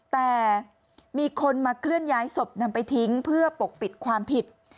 แต่มีคนมาเคลื่อนย้ายศพนำไปทิ้งเพื่อปกปิดความผิด